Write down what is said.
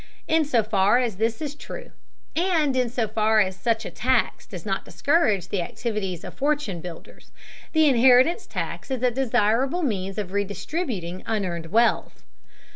In so far as this is true, and in so far as such a tax does not discourage the activities of fortune builders, the inheritance tax is a desirable means of redistributing unearned wealth.